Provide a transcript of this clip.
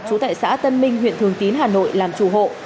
trú tại xã tân minh huyện thường tín hà nội làm chủ hộ